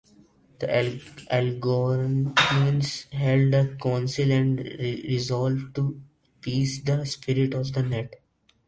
The Algonquins held a council and resolved to appease the spirit of the net.